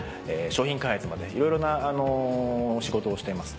商品開発までいろいろな仕事をしています。